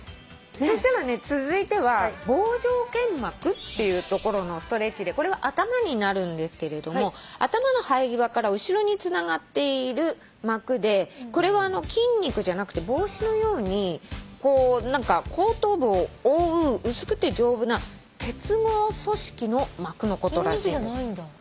そしたらね続いては帽状腱膜っていうところのストレッチでこれは頭になるんですけれども頭の生え際から後ろにつながっている膜でこれは筋肉じゃなくて帽子のようにこう何か後頭部を覆う薄くて丈夫な結合組織の膜のことらしい。